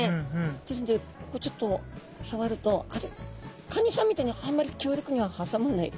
ですのでここちょっと触るとカニさんみたいにあんまり強力には挟まない。